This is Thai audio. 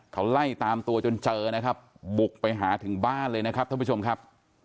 เขาไล่ตามตัวจนเจอนะครับบุกไปหาถึงบ้านเลยนะครับท่านผู้ชมครับ